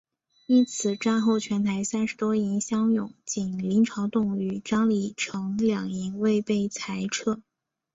因此战后全台三十多营乡勇仅林朝栋与张李成两营未被裁撤。